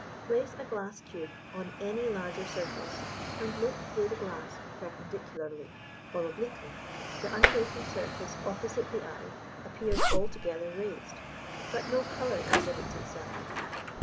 Place a glass cube on any larger surface, and look through the glass perpendicularly or obliquely, the unbroken surface opposite the eye appears altogether raised, but no colour exhibits itself.